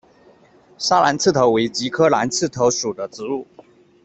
砂蓝刺头为菊科蓝刺头属的植物。